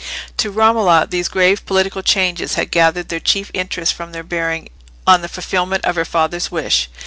To Romola these grave political changes had gathered their chief interest from their bearing on the fulfilment of her father's wish.